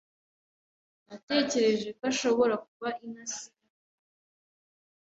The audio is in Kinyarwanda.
Natekereje ko ashobora kuba intasi yinganda.